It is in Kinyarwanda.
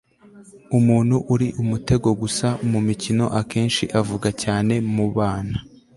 umuntu uri umutego gusa mumikino akenshi avuga cyane mubana